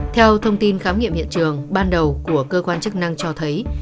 theo thông tin khám nghiệm hiện trường ban đầu của cơ quan chức năng cho thấy